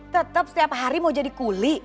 tetap setiap hari mau jadi kuli